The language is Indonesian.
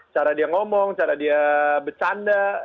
cara dia ngomong cara dia bercanda